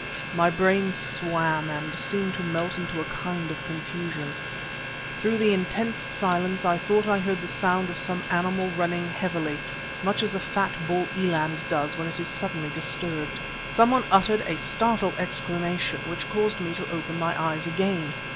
My brain swam and seemed to melt into a kind of confusion. Through the intense silence I thought I heard the sound of some animal running heavily, much as a fat bull eland does when it is suddenly disturbed. Someone uttered a startled exclamation, which caused me to open my eyes again.